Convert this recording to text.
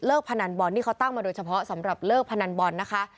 พนันบอลที่เขาตั้งมาโดยเฉพาะสำหรับเลิกพนันบอลนะคะ